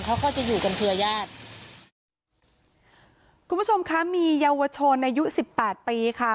เขาก็จะอยู่กันเครือญาติคุณผู้ชมคะมีเยาวชนอายุสิบแปดปีค่ะ